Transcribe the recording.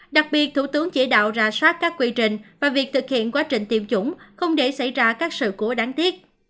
đặc biệt thủ tướng chỉ đạo ra soát các quy trình và việc thực hiện quá trình tiêm chủng không để xảy ra các sự cố đáng tiếc